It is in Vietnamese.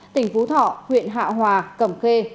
tỉnh phú thọ huyện hạ hòa cẩm khê